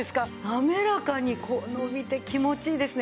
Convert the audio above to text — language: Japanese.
なめらかに見て気持ちいいですね。